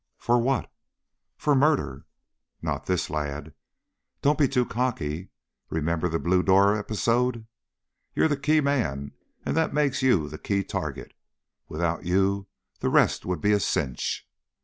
"For what?" "For murder." "Not this lad." "Don't be too cocky. Remember the Blue Door episode? You're the key man ... and that makes you the key target. Without you the rest would be a cinch."